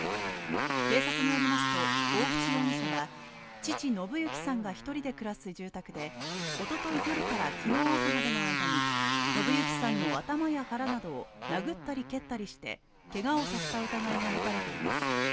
警察によりますと、大渕容疑者は父・信行さんが１人で暮らす住宅で、おととい夜から昨日朝までの間に信行さんの頭や腹などを殴ったり蹴ったりしてけがをさせた疑いが持たれています。